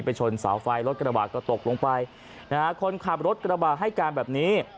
ชนเสาไฟรถกระบาดก็ตกลงไปนะฮะคนขับรถกระบะให้การแบบนี้